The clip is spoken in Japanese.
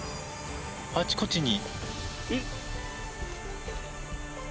あちこちに。